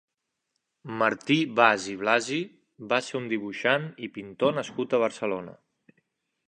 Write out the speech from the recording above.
Martí Bas i Blasi va ser un dibuixant i pintor nascut a Barcelona.